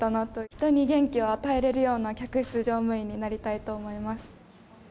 人に元気を与えられるような客室乗務員になりたいと思います。